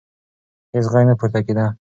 هیڅ غږ نه پورته کېده.